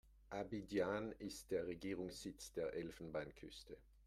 Abidjan ist der Regierungssitz der Elfenbeinküste.